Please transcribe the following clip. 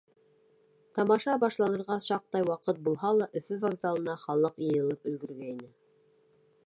Тамаша башланырға шаҡтай ваҡыт булһа ла, Өфө вокзалына халыҡ йыйылып өлгөргәйне.